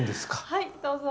はいどうぞ。